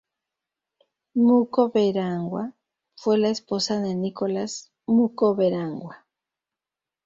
Mukomberanwa fue la esposa de Nicholas Mukomberanwa.